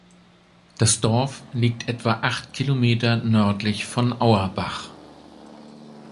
Das Dorf liegt etwa acht km nördlich von Auerbach.